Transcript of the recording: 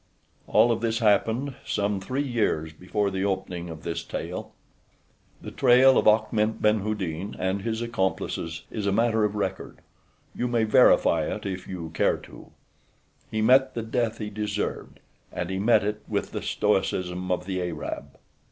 All of this happened some three years before the opening of this tale. The trail of Achmet ben Houdin and his accomplices is a matter of record—you may verify it if you care to. He met the death he deserved, and he met it with the stoicism of the Arab.